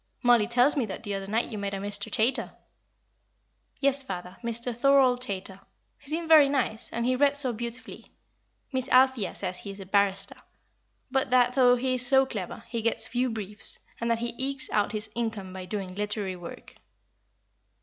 Mollie tells me that the other night you met a Mr. Chaytor." "Yes, father, Mr. Thorold Chaytor. He seemed very nice, and he read so beautifully. Miss Althea says he is a barrister but that, though he is so clever, he gets few briefs, and that he ekes out his income by doing literary work."